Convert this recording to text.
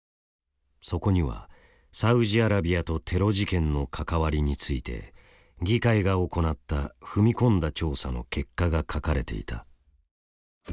そこにはサウジアラビアとテロ事件の関わりについて議会が行った踏み込んだ調査の結果が書かれていた。